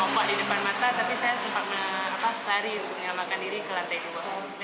ombak di depan mata tapi saya sempat lari untuk menyelamatkan diri ke lantai dua